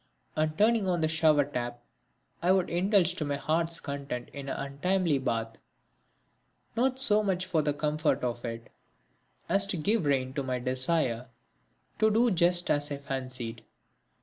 And turning on the shower tap I would indulge to my heart's content in an untimely bath. Not so much for the comfort of it, as to give rein to my desire to do just as I fancied.